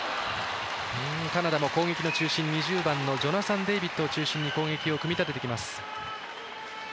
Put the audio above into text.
カナダも攻撃ジョナサン・デイビッド中心に攻撃を組み立ててきます。